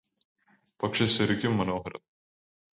പക്ഷേ ശരിക്കും മനോഹരം